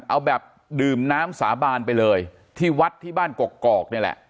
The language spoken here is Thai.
เอาแบบดื่มน้ำสาบานไปเลยที่วัดที่บ้านกอกนี่แหละ